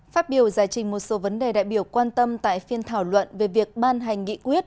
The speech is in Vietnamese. phát biểu giải trình một số vấn đề đại biểu quan tâm tại phiên thảo luận về việc ban hành nghị quyết